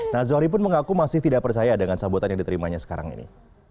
nah zohri pun mengaku masih tidak percaya dengan sambutan yang diterimanya sekarang ini